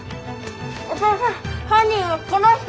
お父さん犯人はこの人！